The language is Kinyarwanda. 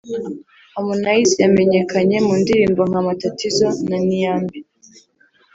Harmonize yamenyekanye mu ndirimbo nka Matatizo na Niambie